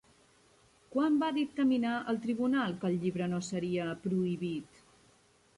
Quan va dictaminar el tribunal que el llibre no seria prohibit?